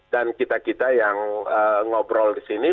kita kita yang ngobrol di sini